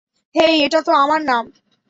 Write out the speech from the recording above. হেই এটা তো আমার নাম।